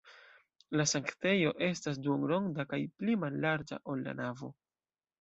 La sanktejo estas duonronda kaj pli mallarĝa, ol la navo.